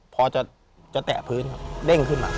พอจะแตะพื้นครับเด้งขึ้นมา